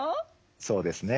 そうですね。